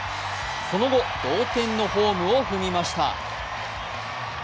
その後、同点のホームを踏みました。